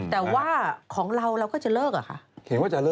แต่ว่าของเราเราก็จะเลิกเหรอคะ